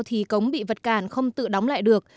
thì cống bị vật cản không tự đóng lại được